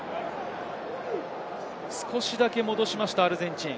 少しだけ戻しましたアルゼンチン。